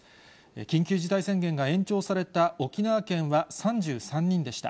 緊急事態宣言が延長された沖縄県は３３人でした。